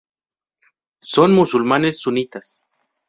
Son musulmanes sunitas.